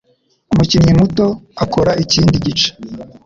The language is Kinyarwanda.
Umukinnyi muto akora ikindi gice;